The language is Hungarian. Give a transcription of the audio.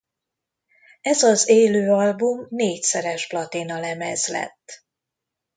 Ez az élő album négyszeres platinalemez lett.